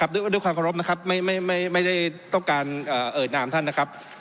ด้วยความเคารพนะครับไม่ได้ต้องการเอ่ยนามท่านนะครับ